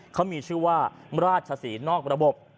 เขามีชื่อว่าราชศรีนอกระบบ